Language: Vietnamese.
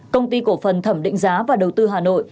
công ty cổ phần thẩm định giá và đầu tư hà nội